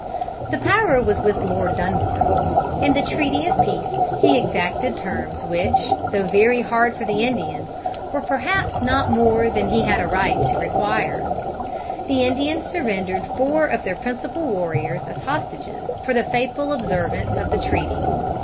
The power was with Lord Dunmore. In the treaty of peace he exacted terms which, though very hard for the Indians, were perhaps not more than he had a right to require. The Indians surrendered four of their principal warriors as hostages for the faithful observance of the treaty.